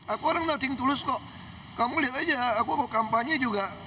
aku orang nothing to loose kok kamu lihat aja aku kampanye juga